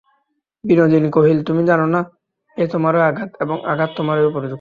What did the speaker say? বিনোদিনী কহিল, তুমি জান না–এ তোমারই আঘাত–এবং এ আঘাত তোমারই উপযুক্ত।